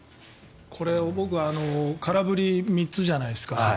これ空振り３つじゃないですか。